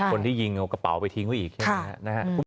คนที่ยิงเอากระเป๋าไปทิ้งไว้อีกใช่ไหมครับ